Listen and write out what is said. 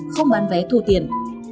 không bán vé thù tiền